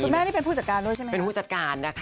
คุณแม่นี่เป็นผู้จัดการด้วยใช่ไหม